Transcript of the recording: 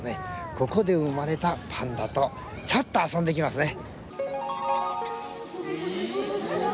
ここで生まれたパンダとちょっと遊んできますね。